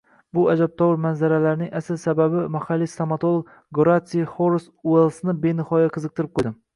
Bu ajabtovur manzaralarning asl sababi mahalliy stomatolog Goratsiy Xoras Uellsni benihoya qiziqtirib qo‘ydi